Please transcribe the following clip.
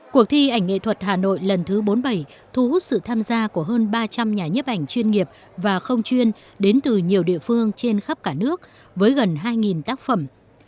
cuộc thi ảnh nghệ thuật hà nội lần thứ bốn mươi bảy thu hút sự tham gia của hơn ba trăm linh nhà nhấp ảnh chuyên nghiệp và không chuyên đến từ nhiều địa phương trên khắp cả nước với gần hai tác phẩm